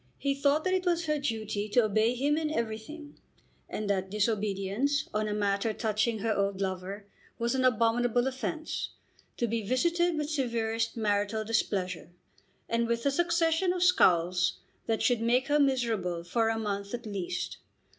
He thought that it was her duty to obey him in everything, and that disobedience on a matter touching her old lover was an abominable offence, to be visited with severest marital displeasure, and with a succession of scowls that should make her miserable for a month at least.